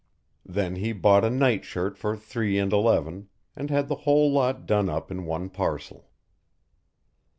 Then he bought a night shirt for three and eleven, and had the whole lot done up in one parcel.